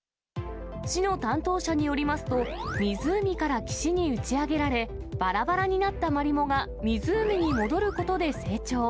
市の担当者によりますと、湖から岸に打ち上げられ、ばらばらになったマリモが湖に戻ることで成長。